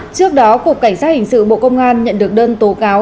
trước đó cục cảnh sát hình sự bộ công an nhận được đơn tố cáo